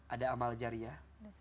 ada amal jariah